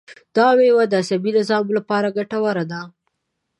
دا مېوه د عصبي نظام لپاره ګټوره ده.